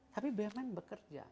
tapi bumn bekerja